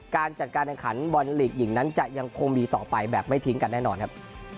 การจัดการแข่งขันบอลลีกหญิงนั้นจะยังคงมีต่อไปแบบไม่ทิ้งกันแน่นอนครับ